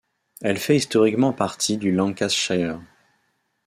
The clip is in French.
Elle fait historiquement partie du Lancashire.